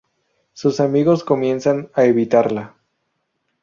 Sus amigos comienzan a evitarla.